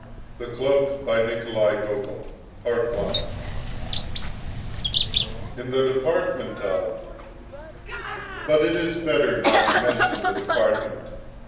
THE CLOAK BY NIKOLAY V. GOGOL In the department of , but it is better not to mention the department.